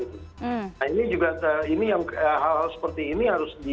nah ini juga hal hal seperti ini harus di